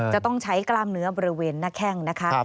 จะต้องใช้กล้ามเนื้อบริเวณหน้าแข้งนะคะ